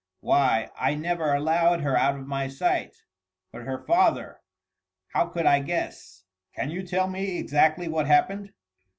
Why! I never allowed her out of my sight!... But her father!... How could I guess?" "Can you tell me exactly what happened?"